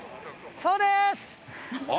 そうです。